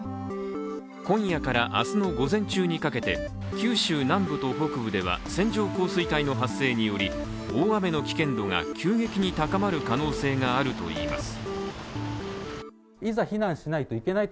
今夜から明日の午前中にかけて、九州南部と北部では線状降水帯の発生により大雨の危険度が急激に高まる可能性があるといいます。